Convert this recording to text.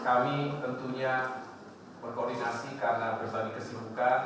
kami tentunya berkoordinasi karena berbagi kesibukan